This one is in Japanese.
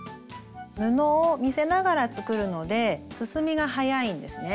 布を見せながら作るので進みが速いんですね。